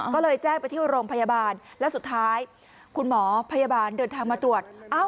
ก็เลยแจ้งไปที่โรงพยาบาลแล้วสุดท้ายคุณหมอพยาบาลเดินทางมาตรวจ